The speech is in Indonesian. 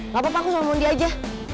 gapapa aku sama mondi aja